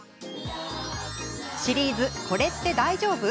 シリーズ「これって大丈夫？」